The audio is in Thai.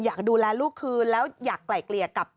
อยากดูแลลูกคืนแล้วอยากไกลเกลี่ยกับ